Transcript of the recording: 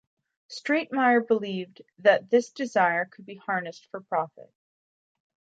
Stratemeyer believed that this desire could be harnessed for profit.